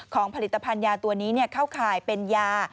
ผลิตภัณฑ์ยาตัวนี้เข้าข่ายเป็นยา